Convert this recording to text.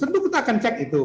tentu kita akan cek itu